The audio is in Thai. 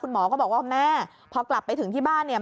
หมอก็บอกว่าแม่พอกลับไปถึงที่บ้านเนี่ย